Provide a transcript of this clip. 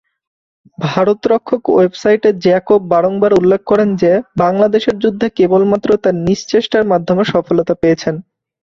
ভারত রক্ষক ওয়েবসাইটে জ্যাকব বারংবার উল্লেখ করেন যে, বাংলাদেশ যুদ্ধে কেবলমাত্র তার নিজ চেষ্টার মাধ্যমে সফলতা পেয়েছেন।